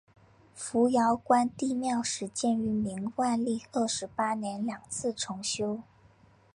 扶摇关帝庙始建于明万历二十八年两次重修。